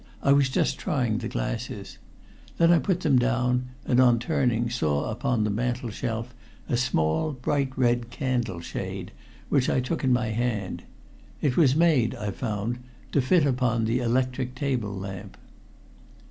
"I was just trying the glasses." Then I put them down, and on turning saw upon the mantelshelf a small, bright red candleshade, which I took in my hand. It was made, I found, to fit upon the electric table lamp.